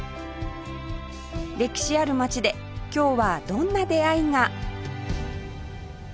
歴史ある街で今日はどんな出会いが？